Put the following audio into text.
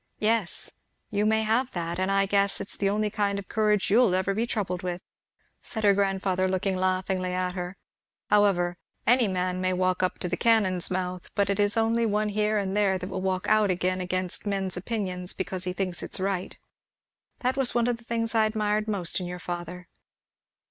"Yes you may have that; and I guess it's the only kind of courage you'll ever be troubled with," said her grandfather looking laughingly at her. "However, any man may walk up to the cannon's mouth, but it is only one here and there that will walk out against men's opinions because he thinks it is right. That was one of the things I admired most in your father."